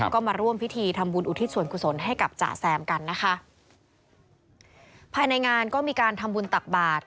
ก็มาร่วมพิธีทำบุญอุทิศส่วนกุศลให้กับจ๋าแซมกันนะคะภายในงานก็มีการทำบุญตักบาท